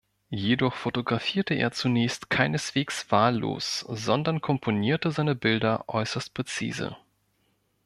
Jedoch fotografierte er zunächst keineswegs wahllos, sondern komponierte seine Bilder äußerst präzise.